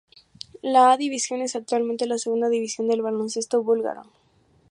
La A Division es actualmente la segunda división del baloncesto búlgaro.